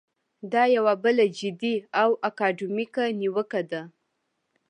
دا یوه بله جدي او اکاډمیکه نیوکه ده.